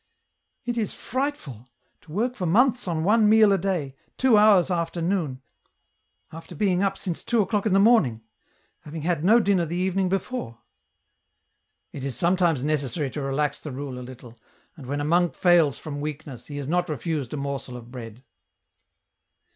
" It is frightful ! to work for months on one meal a day, two hours after noon, after being up since two o'clock in the morning ; having had no dinner the evening before." It is sometimes necessary to relax the rule a little, and when a monk fails from weakness he is not refused a morsel of bread.